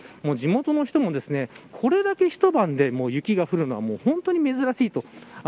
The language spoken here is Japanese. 地元の人もこれだけ一晩で雪が降るのは本当に珍しいと。